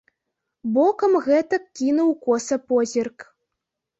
Бокам гэтак кінуў коса позірк.